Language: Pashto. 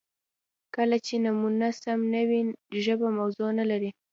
• کله چې نومونه سم نه وي، ژبه موضوع نهلري.